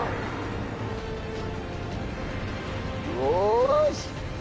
よし！